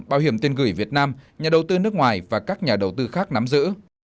bảo hiểm tiền gửi việt nam nhà đầu tư nước ngoài và các nhà đầu tư khác nắm giữ